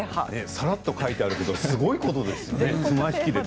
さらっと書いてありますけれどすごいことですよね。